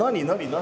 何？